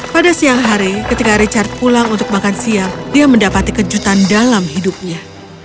pada siang hari ketika richard pulang untuk makan siang dia mendapati kejutan dalam hidupnya